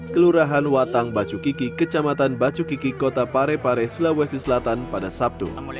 kelurahan watang bacu kiki kecamatan bacu kiki kota parepare sulawesi selatan pada sabtu